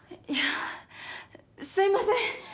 いやすみません！